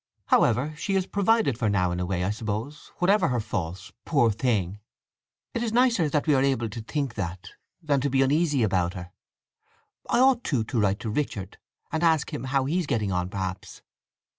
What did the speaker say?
However, she is provided for now in a way, I suppose, whatever her faults, poor thing. It is nicer that we are able to think that, than to be uneasy about her. I ought, too, to write to Richard and ask him how he is getting on, perhaps?"